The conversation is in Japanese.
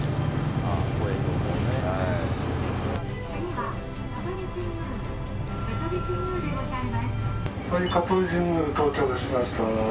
はい、香取神宮到着しました。